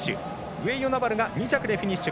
上与那原が２着でフィニッシュ。